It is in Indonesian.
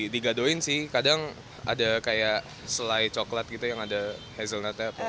digadoin sih kadang ada kayak selai coklat gitu yang ada hazelnutnya